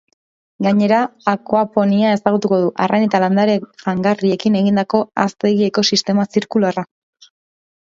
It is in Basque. Gainera, akuaponia ezagutuko du, arrain eta landare jangarriekin egindako haztegi-ekosistema zirkularra.